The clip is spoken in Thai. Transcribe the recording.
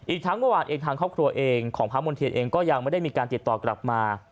อีกทั้งเมื่อวานเองทางครอบครัวเองของพระมณ์เทียนเองก็ยังไม่ได้มีการติดต่อกลับมา